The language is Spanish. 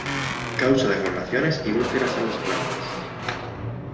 Causa deformaciones y úlceras en las plantas.